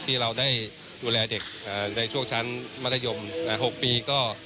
ที่เราได้ดูแลเด็กเอ่อในช่วงชั้นมรดยมเอ่อหกปีก็